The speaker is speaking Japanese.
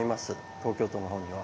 東京都のほうに。